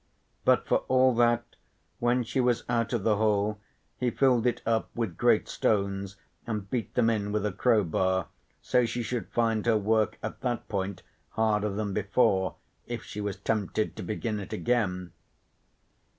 But for all that when she was out of the hole he filled it up with great stones and beat them in with a crowbar so she should find her work at that point harder than before if she was tempted to begin it again.